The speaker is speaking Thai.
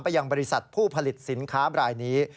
ยังบริษัทผู้ผลิตสินค้าบรายนี้